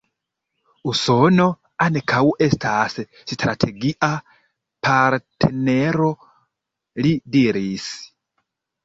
Usono ankaŭ estas strategia partnero, li diris.